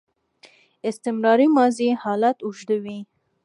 استمراري ماضي حالت اوږدوي.